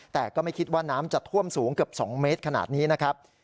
แต่ก็ไม่คิดว่าน้ำจะท่วมสูงเกือบ๒เมตรขนาดนี้นะครับ